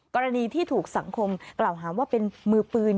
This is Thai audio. กรณีที่ถูกสังคมกล่าวหาว่าเป็นมือปืน